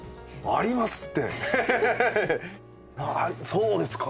そうですか。